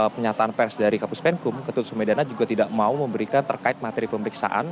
penyataan pers dari kapus penkum ketutus medana juga tidak mau memberikan terkait materi pemeriksaan